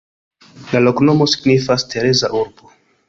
La loknomo signifas: Tereza-urbo.